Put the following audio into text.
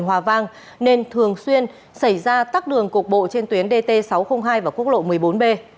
hòa vang nên thường xuyên xảy ra tắc đường cục bộ trên tuyến dt sáu trăm linh hai và quốc lộ một mươi bốn b